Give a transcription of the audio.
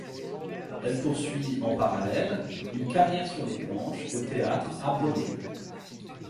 Elle poursuit en parallèle une carrière sur les planches au théâtre à Broadway.